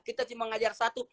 kita cuma mengajar satu